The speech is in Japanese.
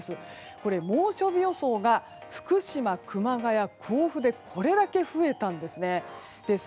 これ猛暑日予想が福島、熊谷、甲府でこれだけ増えたんですね。